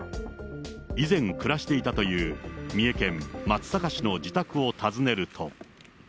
以前、暮らしていたという三重県松阪市の自宅を訪ねると。